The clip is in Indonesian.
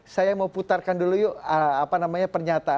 kalau pak jekak dikucukkan kenapa